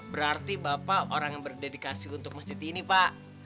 berarti bapak orang yang berdedikasi untuk masjid ini pak